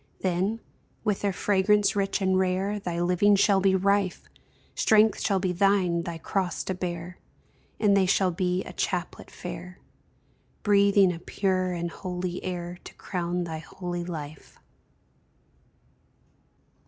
Then, with their fragrance rich and rare, Thy living shall be rife, Strength shall be thine thy cross to bear, And they shall be a chaplet fair, Breathing a pure and holy air, To crown thy holy life.